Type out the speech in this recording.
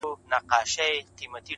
لېونی وم زلونو نه خبر نه وم